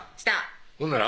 ほんなら？